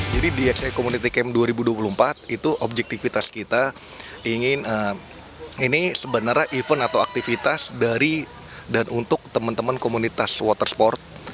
jadi dxi community camp dua ribu dua puluh empat itu objektivitas kita ini sebenarnya event atau aktivitas dari dan untuk teman teman komunitas water sport